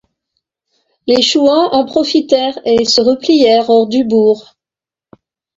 Les chouans en profitèrent et se replièrent hors du bourg.